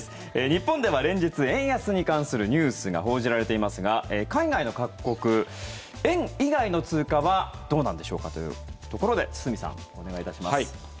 日本では連日円安に関するニュースが報じられていますが海外の各国円以外の通貨はどうなんでしょうというところで堤さん、お願いいたします。